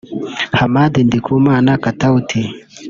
Hamad Ndikumana ‘Kataut’